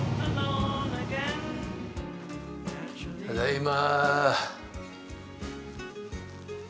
ただいま。